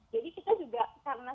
jadi kita juga karena